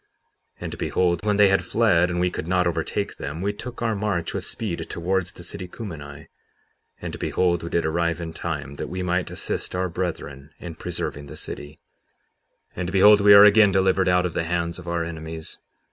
57:34 And behold, when they had fled and we could not overtake them, we took our march with speed towards the city Cumeni; and behold, we did arrive in time that we might assist our brethren in preserving the city. 57:35 And behold, we are again delivered out of the hands of our enemies.